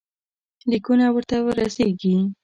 لیکونه ورته ورسیږي.